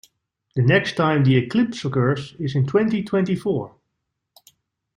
The next time the eclipse occurs is in twenty-twenty-four.